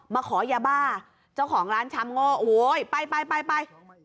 มาขอยาบ้าเจ้าของร้านชำโง่โอ๊ยไปไป